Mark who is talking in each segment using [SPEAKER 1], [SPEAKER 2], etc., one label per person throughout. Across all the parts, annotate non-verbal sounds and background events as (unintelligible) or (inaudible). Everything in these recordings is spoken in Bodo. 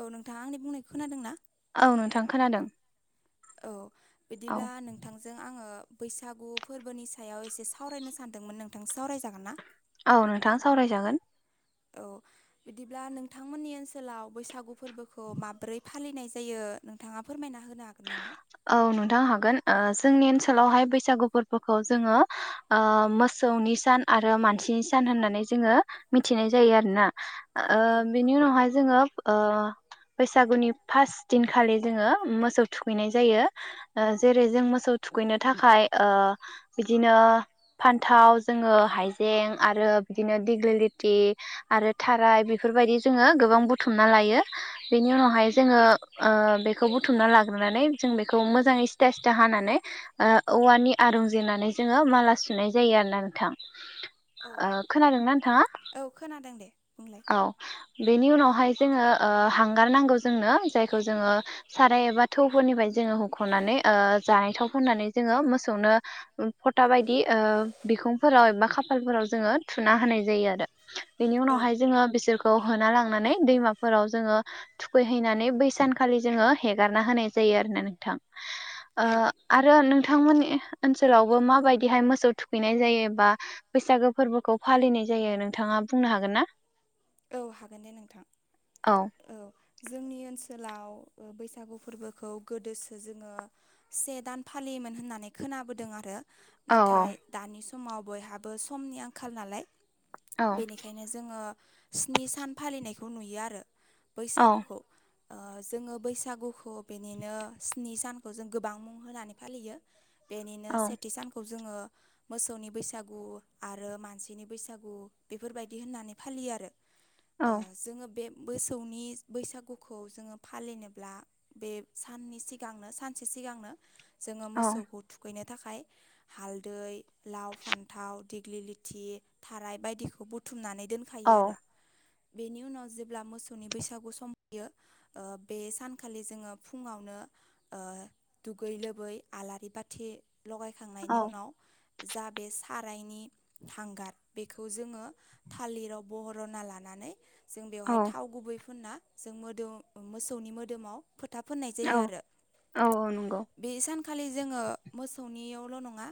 [SPEAKER 1] औ नोंथाङा आंनि बुंनाय खोनादोंना?
[SPEAKER 2] औ नोंथां खोनादों
[SPEAKER 1] औ।
[SPEAKER 2] औ
[SPEAKER 1] बिदिब्ला नोंथांजों आङो बैसागु फोरबोनि सायाव एसे सावरायनो सानदोंमोन नोंथां सावरायजागोन ना?
[SPEAKER 2] औ नोंथां सावरायजागोन।
[SPEAKER 1] औ बिदिब्ला नोंथांमोननि ओनसोलाव बैसागु फोरबोखौ माबोरै फा फालिनाय जायो नोंथाङा फोरमायना हो
[SPEAKER 2] औ नोंथां हागोन। ओ जोंनि ओनसोलावहाय बैसागु फोरबोखौ जोङो मोसौनि सान आरो मानसि थि सान होननानै जोङो मिथिनाय जायो आरोना ओ
[SPEAKER 1] औ
[SPEAKER 2] बेनि उनावहाय जोङो ओ बैसागुनि फार्स्ट दिनखालि जोङो मोसौ थुखैनाय जायो जेरै जों मोसौ थुखैनो थाखाय बिदिनो फान्थाव जोङो हाइजें आरो बिदिनो दिगलिलिटि आरो थाराय बेफोर बेबायदि जोङो गोबां बुथुमना लायो बेनि उनावहाय जोङो बुथुम ला जों बिखौ मोजाङै सिथा सिथा हानानै औवानि आरं जेनानै जोङो माला सुनाय जायो आरोना नोंथां। ओ खोनादोंना नोंथाङा?
[SPEAKER 1] औ खोनादों दे बुंलाय
[SPEAKER 2] औ। बेनि उनावहाय जोङो ओ हांगार नांगौ जोंनो जायखौ जोङो साराय एबा थौफोरनिफ्राय जोङो होुख'नानै ओ जानाय थाव फननानै जोङो मोसौनो फथा बायदि बिखुंफोराव एबा खाफालफोराव जोङो थुना होनाय जायो आरो बेनि
[SPEAKER 1] औ
[SPEAKER 2] उनावहाय जोङो बिसोर खौ होना लांनानै दैमाफोराव जोङो थुखैहैनानै बै सानखालि जोङो हेगारना होनाय जायो आरोना नोंथां। ओ आरो नोंथांमोन ओनसोलावबो माबायदिहाय मोसौ थुखैनाय जायो बा बैसागो फोरबोखौ फालिनाय जायो नोंथाङा बुंनो हागोन ना?
[SPEAKER 1] औ हागोन दे नोंथां औ जोंनि ओनसोल गोलाव बैसागु फोरबोखौ गोदोसो जोङो से दान फालियोमोन होननानै खोन खोनाबोदों आरो
[SPEAKER 2] औ
[SPEAKER 1] नाथाय दानि समाव बयहाबो समनि आंखाल नालाय
[SPEAKER 2] औ
[SPEAKER 1] बेनिखायनो जोङो स्नि सान फालिनायखौ नुयो आरो
[SPEAKER 2] औ
[SPEAKER 1] बैसागुखौ। ओ जोङो बैसागुखौ बिनिनो स्नि सानखौ जों गोबां मुं होनानै फालियो बेनिनो
[SPEAKER 2] औ
[SPEAKER 1] सेथि सानखौ जोङो मोसौनि बैसागु आरो मानसिनि बैसागु बेफोरबायदि होननानै फालियो आरो।
[SPEAKER 2] औ
[SPEAKER 1] ओ जोङो बे मोसौनि बैसागुखौ जोङो फालिनोब्ला बे साननि सिगांनो सानसे सिगांनो जोङो
[SPEAKER 2] औ
[SPEAKER 1] मोसौखौ थुखैनो थाखाय हालदै, लाव, फान्थाव, दिग्लि लिथि, थाराय बायदिखौ बुथुमनानै
[SPEAKER 2] औ
[SPEAKER 1] दोनखायो आरो। बेनि उनाव जेब्ला मोसौनि बैसागु सम फैयो। ओ बे सानखालि जोङो फुं ङावनो ओ दुगै लोबै आलारि बाथि लगायखांनायनि उनाव जा बे सारायनि हांगार बेखौ जोङो थालिराव बह र'ना लानानै जों बेवहाय
[SPEAKER 2] औ
[SPEAKER 1] थाव
[SPEAKER 2] औ
[SPEAKER 1] गुबै फुनना जों मोदोम मोसौनि मोदोमाव फोथा फोननाय जायो आरो।
[SPEAKER 2] औ औ नंगौ
[SPEAKER 1] बे सान खालि जोङो मोसौनियावल' नङा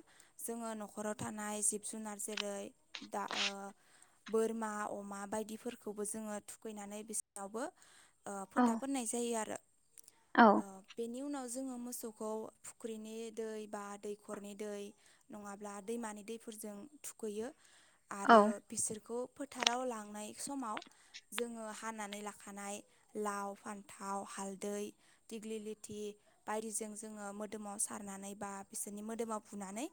[SPEAKER 1] जोङो न'खराव थानाय जिब जुनार जेरै दा ओ बोरमा अ मा बायदिफोरखौबो जोङो थुखैनानै बिसावबो ओ
[SPEAKER 2] औ
[SPEAKER 1] फोथाब फोननाय जायो आरो।
[SPEAKER 2] औ
[SPEAKER 1] ओ बेनि उनाव जोङो मोसौखौ फुख्रिनि दै बा दैखरनि दै नङाब्ला दैमानि दै फोरजों थुखैयो
[SPEAKER 2] औ
[SPEAKER 1] आरो बिसोरखौ फोथा राव लांनाय समाव जोङो हानानै लाखानाय लाव, फान्थाव, हाल दै दिग्लि लिथि बायदिजों जोङो मोदोमाव सारनानै बा बिसोरनि मोदोमाव बुना नानै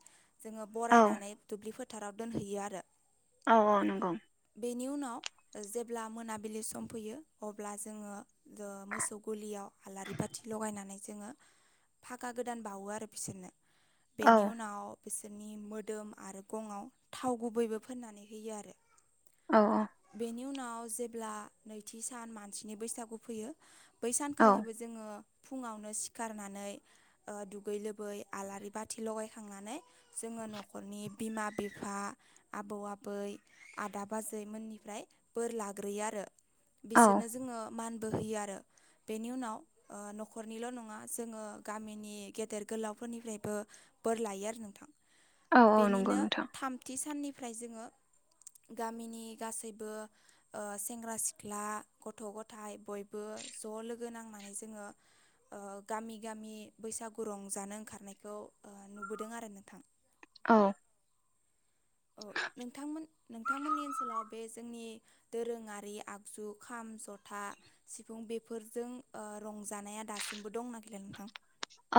[SPEAKER 1] जोङो
[SPEAKER 2] औ
[SPEAKER 1] बरायनानै दुब्लि फोथाराव दोनहैयो आरो।
[SPEAKER 2] औ औ नंगौ।
[SPEAKER 1] बेनि उनाव ओ जेब्ला मोनाबिलि सम फैयो अब्ला जोङो। ओ मोसौ गलियाव आलारि बाथि लगायनानै जोङो फाखा गोदान बावो आरो बिसोरनो।
[SPEAKER 2] औ
[SPEAKER 1] बेनि उनाव बिसोरनि मोदोम आरो गङआव थाव गुबैबो फोननानै होयो आरो।
[SPEAKER 2] औ औ
[SPEAKER 1] नि उनाव जेब्ला नैथि सान मानसिनि बैसागु फैयो बै
[SPEAKER 2] औ
[SPEAKER 1] सानखालिबो जोङो फुङावनो सिखारनानै ओ दुगै लोबै आलारि बाथि लगायखांनानै जों ङो न'खरनि बिमा, बिफा आबौ, आबै आदा बाजै मोननिफ्राय बोरलाग्रोयोआरो
[SPEAKER 2] औ
[SPEAKER 1] बिसोरनो जोङो मान बो हैयो आरो। बेनि उनाव ओ न'खरनिल' नङा जोङो गामिनि गेदेर गोलाव फोरनिफ्रायबो बोर लायो आरो नोंथां।
[SPEAKER 2] औ औ नंगौ
[SPEAKER 1] बेनिनो
[SPEAKER 2] नोंथां
[SPEAKER 1] थामथि साननिफ्राय जोङो गामिनि गासैबो ओ सेंग्रा सिख्ला गथ' गथाय बयबो ज' लोग गो नांनानै जोङो ओ गामि गामि बैसागु रंजानो ओंखारनायखौ ओ नुबोदों आरो नोंथां।
[SPEAKER 2] औ
[SPEAKER 1] औ नोंथांमोन नोंथांमोननि ओनसोलाव बे जोंनि दोरोङारि आगजु खाम, जथा, सिफुं बेफोरजों ओ रंजानाया दासिमबो दं ना गैला नोंथां?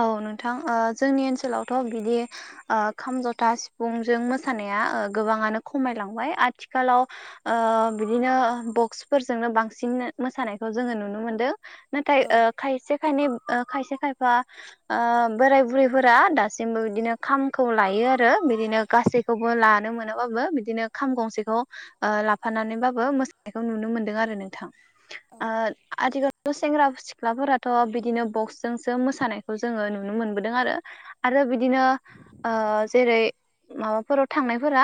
[SPEAKER 2] औ नोंथां ओ जोंनि ओनसोलावथ' बिदि ओ खाम, जथा, सिफुंजों मोसानाय या ओ गोबाङानो खमायलांबाय आथिखालाव ओ बिदिनो बक्सफोरजोंनो बां सिन मोसानायखौ जोङो नुनो मोनदों। नाथाय
[SPEAKER 1] औ
[SPEAKER 2] ओ खायसे खायनै खायसे खायफा ओ बोराय बुरैफोरा दासिमबो बिदिनो खामखौ लायो आरो बिदिनो गासैखौ बो‌ लानो मोनाबाबो बिदिनो खाम गंसेखौ ओ लाफानानैबाबो मोसानायखौ नुनो मोनदों आरो नोंथां। ओ आथिखालावथ' सेंग्रा सिख्लाफोराथ' बिदिनो बक्सजोंसो मोसानाय खौ जोङो नुनो मोनबोदों आरो। आरो बिदिनो ओ जेरै माबाफोराव थांनायफोरा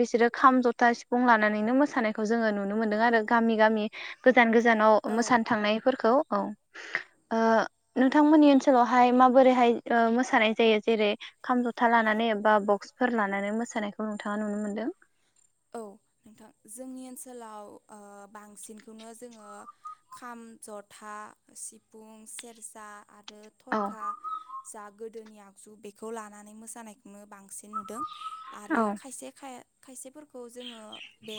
[SPEAKER 2] बिसोरो खाम जथा सिफुं लानानैनो मोसानायखौ जोङो नुनो मोन्दों आरो गामि गामि गोजान गोजानाव
[SPEAKER 1] औ
[SPEAKER 2] मोसानो थांनायफोरखौ औ ओ नोंथांमोननि ओनसो सोलावहाय माबोरैहाय ओ मोसानाय जायो जेरै खाम जथा लानानै बा बक्सफोर लानानै। मोसानायखौ नोंथाङा नुनो मोन्दों।
[SPEAKER 1] औ नोंथां जोंनि ओनसोलाव ओ‌ बांसिनखौनो जोङो खाम जथा सिफुं सेरजा आरो आरो
[SPEAKER 2] औ
[SPEAKER 1] थरखा जा गोदोनि आगजु बेखौ लानानै मोसानायखौनो बांसिन नुदों आरो
[SPEAKER 2] औ
[SPEAKER 1] खायसे खायसेफोरखौ जोङो बे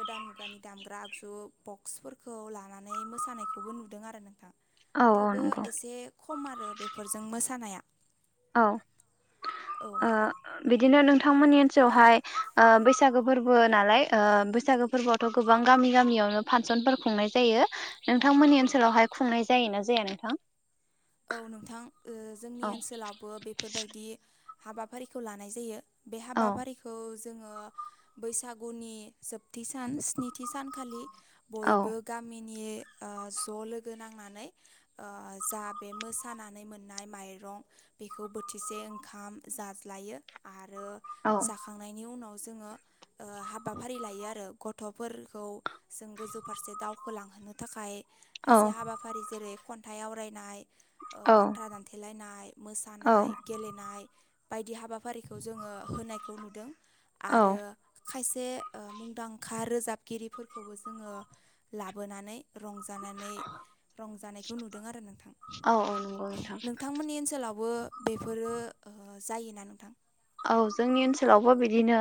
[SPEAKER 1] गोदान मुगानि दामग्रा आगजु बक्सफोरखौ लानानै मोसानायखौबो नुदों आरो नोंथां।
[SPEAKER 2] औ औ
[SPEAKER 1] थेवबो
[SPEAKER 2] नंगौ
[SPEAKER 1] एसे खम आरो बेफोरजों मोसानाया।
[SPEAKER 2] औ
[SPEAKER 1] औ
[SPEAKER 2] ओ बिदिनो नोंथांमोननि ओनसोलावहाय ओ बैसागो फोरबो नालाय ओ बैसागो फोरबोआवथ' गोबां गामि गामियावनो फांसनफोर खुंनाय जायो। नोंथांमोननि
[SPEAKER 1] औ
[SPEAKER 2] ओनसोलावहाय खुंनाय जायोना जाया नोंथां?
[SPEAKER 1] औ नोंथां ओ जोंनि
[SPEAKER 2] औ
[SPEAKER 1] ओनसोलावबो बेफोरबायदि हाबाफारिखौ लानाय जायो। बे
[SPEAKER 2] औ
[SPEAKER 1] हाबाफारिखौ जोङो बैसागुनि जोबथि सान स्निथि सानखालि
[SPEAKER 2] औ
[SPEAKER 1] बयबो गामिनि ओ ज' लोगो नांनानै जा बे मोसानानै मोननाय माइरं बेखौ बोथिसे ओंखाम जाज्लायो आरो आरो
[SPEAKER 2] औ
[SPEAKER 1] जाखांनायनि उनाव जोङो ओ‌ हाबाफारि लायो। आरो गथ'फोरखौ जों गोजौ फारसे दावखोलांहोनो थाखाय
[SPEAKER 2] औ
[SPEAKER 1] खायसे हाबाफारि जेरै खन्थाइ आवरायनाय
[SPEAKER 2] औ
[SPEAKER 1] बाथ्रा दानथेलायनाय
[SPEAKER 2] औ
[SPEAKER 1] मोसानाय गेलेनाय बायदि हाबा हाबाफारिखौ जोङो होनायखौ नुदों
[SPEAKER 2] औ
[SPEAKER 1] आरो खायसे मुंदांखा रोजाबगिरिफोरखौबो जोङो लाबोनानै। रंजानानै रंजानायखौ नुदों आरो नोंथां।
[SPEAKER 2] औ औ नंगौ नोंथां
[SPEAKER 1] ओनसोलावबो बेफोरो जायोना नोंथां?
[SPEAKER 2] औ जोंनि ओनसोलावबो बिदिनो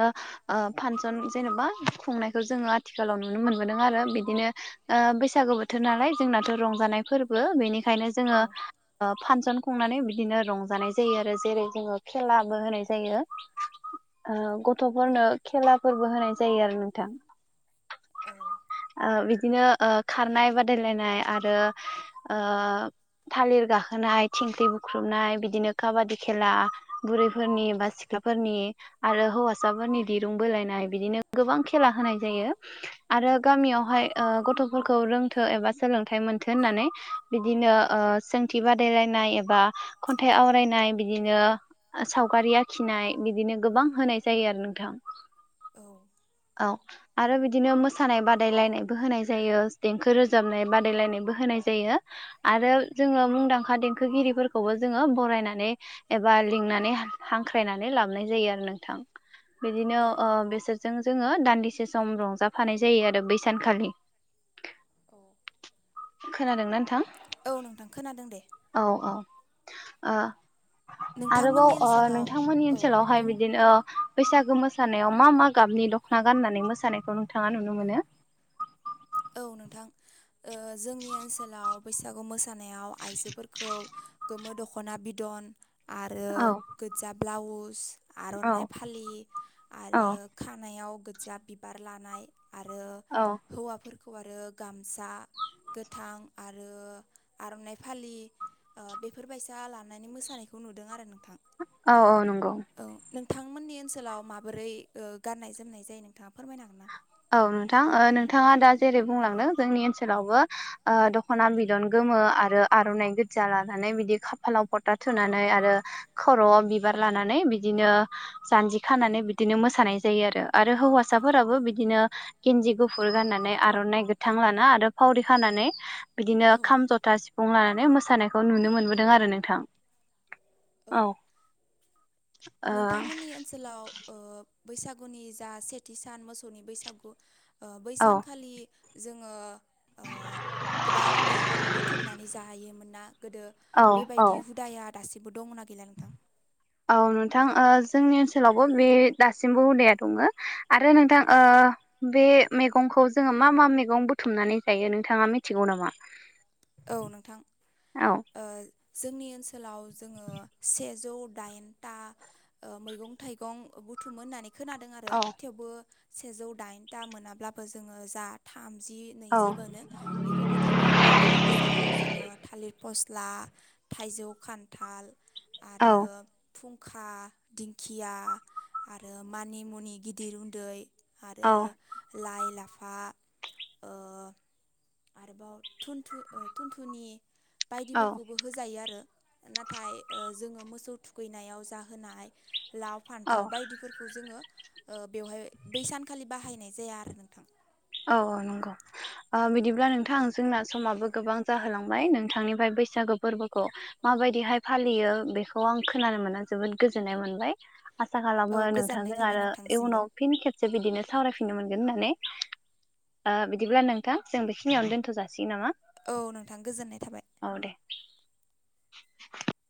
[SPEAKER 2] ओ फांसन जेनेबा खुंनायखौ जोङो आथिखालाव नुनो मोनदों आरो बिदिनो बैसागु बोथोर नालाय जोंनाथ' रंजानाय फोरबो बेनिग खायनो जोङो
[SPEAKER 1] औ
[SPEAKER 2] ओ फांसन खुंनानै बिदिनो रंजानाय जायो आरो जेरै जोङो खेलाबो होनाय जायो। ओ
[SPEAKER 1] औ
[SPEAKER 2] गथ'फोरनो खेलाफोरबो होनाय जायो आरो नोंथां
[SPEAKER 1] औ
[SPEAKER 2] ओ बिदिनो ओ खारनाय बादायलायनाय आरो ओ थालिर गाखोनाय थिंख्लि बुख्रुबनाय बिदिनो काबादि खेला बुरैफोरनि बा सिख्लाफोरनि आरो हौवासाफोरनि दिरुं बोलायनाय बिदिनो गोबां खेला होनाय जायो आरो गामियावहाय गथ' फोरखौ रोंथो एबा सोलोंथाइ मोनथों होननानै बिदिनो ओ सोंथि बादायलायनाय एबा खन्थाइ आवरायनाय बिदिनो सावगारिया खिनाय बिदिनो गोबां होनाय जायो आरो नोंथां।
[SPEAKER 1] औ
[SPEAKER 2] औ आरो बिदिनो मोसानाय बादायलायनायबो होनाय जायो देंखो रोजाबनाय बादायलायनायबो हो होनाय जायो आरो जोङो मुंदांखा देंखोगिरिफोरखौबो जोङो बरायनानै एबा लिंनानै हांख्रायनानै लाबोनाय जायो आरो नोंथां बिदिनो
[SPEAKER 1] औ
[SPEAKER 2] बेसोरजों जोङो दानदिसे सम रंजाफानाय जायो आरो बै सानखालि
[SPEAKER 1] औ
[SPEAKER 2] खोनादोंना नोंथां?
[SPEAKER 1] औ नोंथां खोनादों दे
[SPEAKER 2] औ औ ओ आरोबाव
[SPEAKER 1] नोंथांमोननि
[SPEAKER 2] ओ
[SPEAKER 1] ओनसोलाव
[SPEAKER 2] नोंथांमोननि
[SPEAKER 1] औ
[SPEAKER 2] ओनसोलावहाय
[SPEAKER 1] बुं
[SPEAKER 2] बिदिनो ओ बैसागु मोसानायाव मा मा गाबनि दख'ना गाननानै मोसानायखौ नोंथाङा नुनो मोनो
[SPEAKER 1] औ नोंथां जोंनि ओनसोलाव बैसागु मोसानाय जानायाव आइजोफोरखौ गोमो दख'ना बिदन आरो
[SPEAKER 2] औ
[SPEAKER 1] गोजा ब्लाउस
[SPEAKER 2] औ
[SPEAKER 1] आर'नाइ फालि
[SPEAKER 2] औ
[SPEAKER 1] आरो खानायाव गोजा बिबार लानाय आरो
[SPEAKER 2] औ
[SPEAKER 1] हौवाफोरखौ आरो गामसा गोथां आरो आर'नाइ फालि बेफोरबायसा लानानै मोसानायखौ नुदों आरो नोंथां
[SPEAKER 2] औ औ नं
[SPEAKER 1] औ नोंथांमोननि ओनसोलाव माबोरै गाननाय जोमनाय जायो नोंथाङा फोरमायनो हागोन ना
[SPEAKER 2] औ नोंथां नोंथाङा दा जेरै बुंलांदों जोंनि ओनसोलावबो दख'ना बिदन गो मो आरो आर'नाइ गोजा लानानै बिदि खाफालाव फथा थुनानै आरो खर'आव बिबार लानानै बिदिनो जानजि खानानै बिदिनो मोसानाय जायो आरो हौवासाफोराबो बि बिदिनो गेनजि गुफुर गाननानै आर'नाइ गोथां लाना आरो फावरि खानानै बिदिनो
[SPEAKER 1] औ
[SPEAKER 2] खाम जथा सिफुं लानानै मोसानायखौ नुनो मोनबोदों आरो नोंथां
[SPEAKER 1] (inaudible)
[SPEAKER 2] औ ओ
[SPEAKER 1] नोंथांमोननि ओनसोलाव ओ बैसागुनि जा सेथि सान मोसौनि बैसागु बै
[SPEAKER 2] औ
[SPEAKER 1] सानखालि जोङो गोबां मैगं बुथुमनानै जाहोयोमोन ना गोदो
[SPEAKER 2] औ औ
[SPEAKER 1] बेबायदि हुदाया दासिमबो दंना गैला नोंथां
[SPEAKER 2] औ नोंथां जोंनि ओनसोलावबो बे दासिमबो हुदाया दङ आरो नोंथां बे बे मैगंखौ जोङो मा मा मैगं बुथुमनानै जायो नोंथाङा मिथिगौ नामा
[SPEAKER 1] औ नोंथां
[SPEAKER 2] औ
[SPEAKER 1] जोंनि ओनसोलाव जोङो सेजौ दाइनथा मैगं थाइगं बुथुममोन होननानै खोनादों आरो
[SPEAKER 2] औ
[SPEAKER 1] थेवबो सेजौ दाइन दा मोनाब्लाबो जोङो जा थाम जि
[SPEAKER 2] औ
[SPEAKER 1] नैजिबानो बेखौ बुथुमो बे जेराव जोङो थालिर फस्ला थाइजौ खान्थाल
[SPEAKER 2] औ
[SPEAKER 1] आरो फुं खुखा दिंखिया आरो मानि मुनि गिदिर उन्दै आरो
[SPEAKER 2] औ
[SPEAKER 1] लाइ लाफा आरोबाव थुनथु थुनथुनि
[SPEAKER 2] औ
[SPEAKER 1] बायदिफोरखौबो होजायो आरो नाथाय जोङो मोसौ थुखैनायाव जाहोनाय लाव
[SPEAKER 2] औ
[SPEAKER 1] फान्थाव बायदिफोरखौ जोङो बेवहाय बै सानखालि बाहायनाय जाया आरो नोंथां
[SPEAKER 2] औ औ नंगौ बिदिब्ला नोंथां जोंना समाबो गोबां जाहोलांबाय नोंथांनिफ्राय बैसागु फोरबोखौ माबायदिहाय फालियो बेखौ आं खोनानो मोना जोबोद गोजोननाय मोनबाय आसा खालामो
[SPEAKER 1] औ गोजोननाय
[SPEAKER 2] नोंथांजों
[SPEAKER 1] थाबाय
[SPEAKER 2] आरो
[SPEAKER 1] नोंथांसिमबो
[SPEAKER 2] इयनाव फिन खेबसे बिदिनो सावरायफिननो मोनगोन होननानै बिदिब्ला नोंथां जों बेखिनियावनो दोन्थ' जासिगोन नामा
[SPEAKER 1] औ नोंथां गोजोननाय थाबाय
[SPEAKER 2] औ दे (unintelligible)